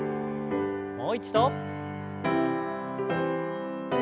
もう一度。